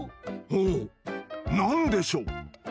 ほう何でしょう。